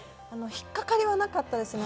引っかかりはなかったですね。